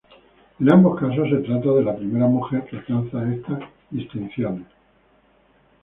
En ambos casos, se trataba de la primera mujer que alcanzaba esas distinciones.